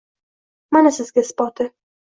Mana sizga isboti!